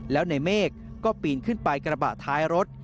แล้วในเมฆก็ปีนขึ้นไปกระบะท้ายรถ